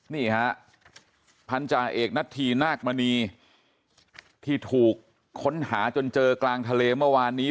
นี่ฮะพันธาเอกนัทธีนาคมณีที่ถูกค้นหาจนเจอกลางทะเลเมื่อวานนี้